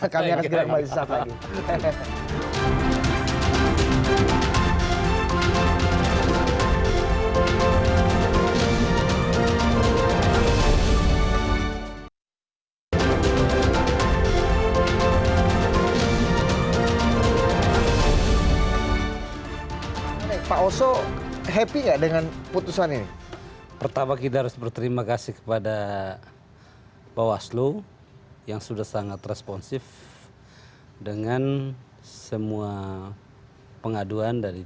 kami akan segera kembali sesama lagi